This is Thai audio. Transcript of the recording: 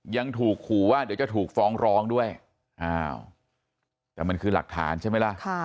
ยังถูกขู่ว่าเดี๋ยวจะถูกฟ้องร้องด้วยอ้าวแต่มันคือหลักฐานใช่ไหมล่ะ